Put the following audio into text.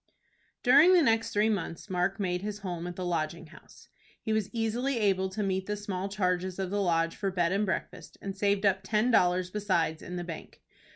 During the next three months Mark made his home at the Lodging House. He was easily able to meet the small charges of the Lodge for bed and breakfast, and saved up ten dollars besides in the bank.